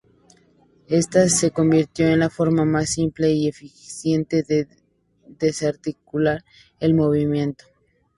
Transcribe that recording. Esta se convirtió en la forma más simple y eficiente de desarticular el movimiento.